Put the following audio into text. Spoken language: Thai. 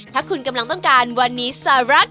ถ้าคุณกำลังต้องการวันนี้สารักของน้ำใจ